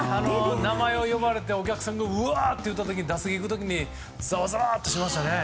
名前を呼ばれてお客さんがうわーって言った時に打席に行く時にざわざわとしましたね。